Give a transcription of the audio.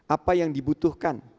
apa yang dibutuhkan